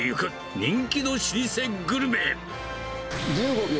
人気の老舗グルメ。